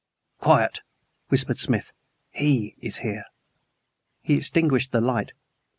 "Quiet," whispered Smith; "HE is here." He extinguished the light.